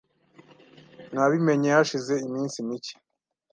Nabimenye hashize iminsi mike.